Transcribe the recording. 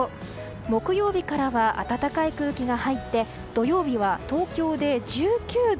木曜日からは暖かい空気が入って土曜日は東京で１９度。